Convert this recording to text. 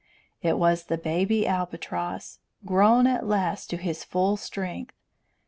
It was the baby albatross, grown at last to his full strength.